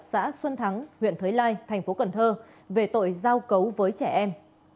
xã xuân thắng huyện thới lai thành phố cần thơ về tội giao cấu với trẻ em